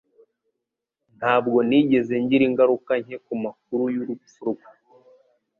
Ntabwo nigeze ngira ingaruka nke kumakuru y'urupfu rwe.